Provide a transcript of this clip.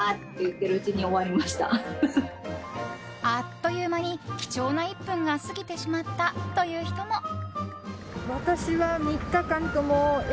あっという間に、貴重な１分が過ぎてしまったという人も。